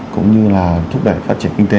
cũng như là thúc đẩy phát triển kinh tế